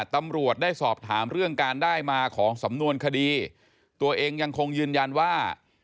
ตำรวจได้สอบถามเรื่องการได้มาของสำนวนคดีตัวเองยังคงยืนยันว่า